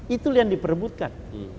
itulah yang di perebutkan